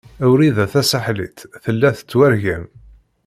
Wrida Tasaḥlit tella tettwargam.